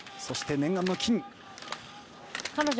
そして念願の金。